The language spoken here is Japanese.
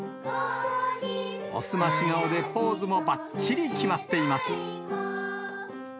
おすまし顔でポーズもばっちり決まっています。